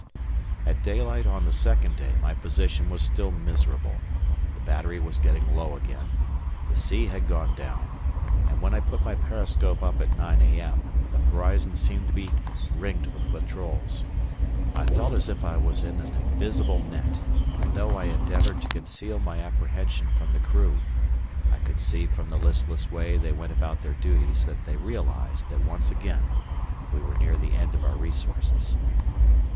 At daylight on the second day my position was still miserable. The battery was getting low again, the sea had gone down, and when I put my periscope up at 9 a.m. the horizon seemed to be ringed with patrols. I felt as if I was in an invisible net, and though I endeavoured to conceal my apprehension from the crew, I could see from the listless way they went about their duties that they realized that once again we were near the end of our resources.